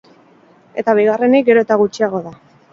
Eta bigarrenik, gero eta gutxiago da.